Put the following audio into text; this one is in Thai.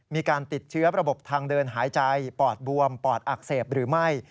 มีการติดเชื้อระบบทางเดินหายใจปอดบวมปอดอักเสบหรือไม่